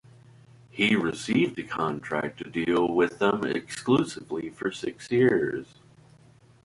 He received a contract to deal with them exclusively for six years.